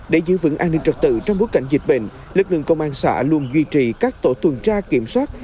để giữ vững an ninh trật tự trong bối cảnh dịch bệnh lực lượng công an xã luôn duy trì các tổ tuần tra kiểm soát